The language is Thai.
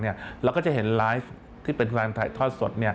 เราก็จะเห็นไลฟ์ที่เป็นแฟนถ่ายทอดสด